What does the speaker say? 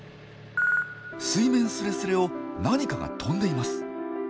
水面すれすれを何かが飛んでいます。